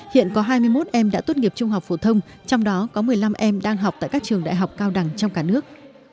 hiện có hai mươi một em đã tốt nghiệp trung học phổ thông trong đó có một mươi năm em đang học tại các trường đại học cao đẳng trong cả nước